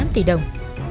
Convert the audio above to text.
một tám tỷ đồng